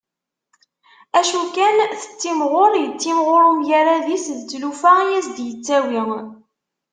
Acu kan tettimɣur, yettimɣur umgarad-is d tlufa i d as-d-yettawi.